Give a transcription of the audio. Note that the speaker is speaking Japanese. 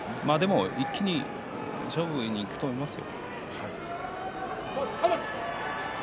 一気に勝負にいくと思いますよ。